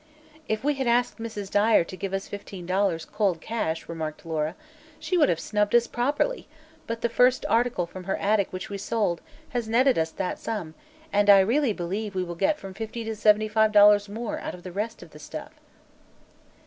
"If we had asked Mrs. Dyer to give us fifteen dollars, cold cash," remarked Laura, "she would have snubbed us properly; but the first article from her attic which we sold has netted us that sum and I really believe we will get from fifty to seventy five dollars more out of the rest of the stuff."